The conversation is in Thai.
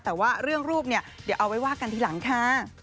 แต่ว่าเรื่องรูปเนี่ยเดี๋ยวเอาไว้ว่ากันทีหลังค่ะ